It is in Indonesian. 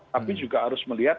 tapi juga harus melihat